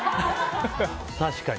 確かに。